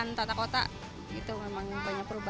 nggak di jawa meraka